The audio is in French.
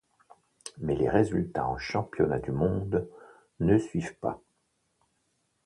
Mais les résultats en championnat du monde ne suivent pas.